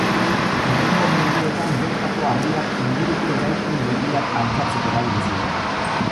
Hurrengo mendeetan bertako harriak inguruko eraikin berriak altxatzeko erabili ziren.